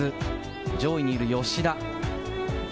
上位にいる吉田。